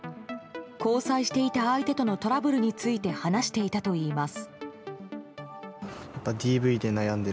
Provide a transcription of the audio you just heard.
交際していた相手とのトラブルについて話していたといいます。